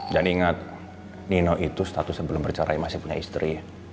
dan ingat nino itu status sebelum bercerai masih punya istri